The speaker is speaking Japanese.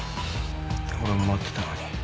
俺も待ってたのに」